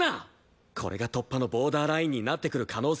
これが突破のボーダーラインになってくる可能性が高い。